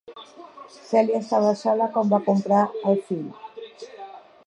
Cèlia estava sola quan va comprar el fil.